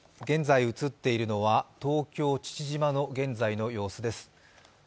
現在映っているのは東京・父島の現在の様子です。